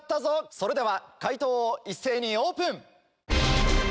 それでは解答を一斉にオープン！